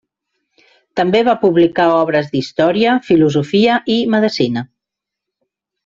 També va publicar obres d'història, filosofia i medecina.